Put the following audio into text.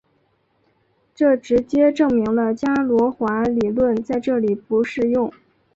这直接证明了伽罗华理论在这里不适用。